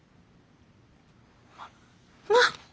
まっまあ！